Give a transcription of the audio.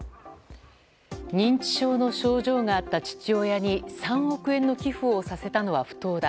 認知症の症状があった父親に３億円の寄付をさせたのは不当だ。